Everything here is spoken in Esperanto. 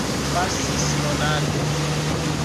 Pasis monato.